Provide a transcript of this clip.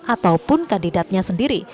ataupun kandidatnya sendiri